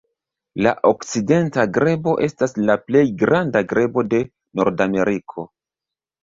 La Okcidenta grebo estas la plej granda grebo de Nordameriko.